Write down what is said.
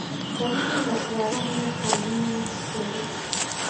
سړي چيغه کړه روح یې خاورینې سیارې ته.